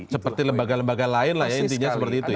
seperti lembaga lembaga lain lah ya intinya seperti itu ya